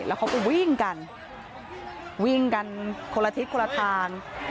แล้วเขาก็วิ่งกันวิ่งกันคนละทิศคนละทาง